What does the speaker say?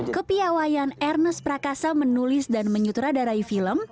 kepiawayan ernest prakasa menulis dan menyutradarai film